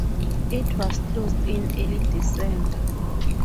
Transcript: It was closed in early December.